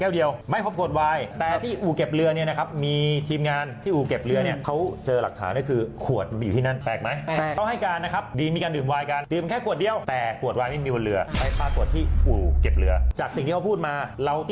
ดูครับคนนี้คือจ๊อปมาดูคนในเรือนะครับ